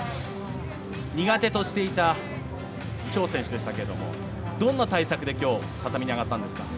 苦手としていたチョ選手でしたけどもどんな対策で今日、畳に上がったんですか。